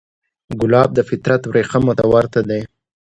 ګلاب د فطرت وریښمو ته ورته دی.